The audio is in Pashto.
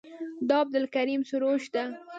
دا عبدالکریم سروش ده.